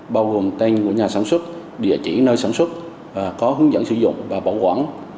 bao gồm tên của nhà sản xuất địa chỉ nơi sản xuất có hướng dẫn sử dụng và bảo quản